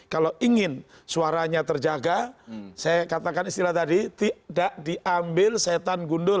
kalau ingin suaranya terjaga saya katakan istilah tadi tidak diambil setan gundur